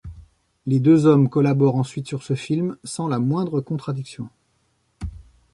Les deux hommes collaborent ensuite sur ce film sans la moindre contradiction.